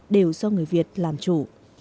đều do người việt làm chủ